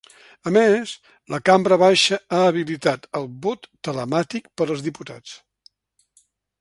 A més, la cambra baixa ha habilitat el vot telemàtic per als diputats.